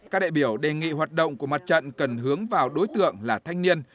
các đại biểu đề nghị hoạt động của mặt trận cần hướng vào đối tượng là thanh niên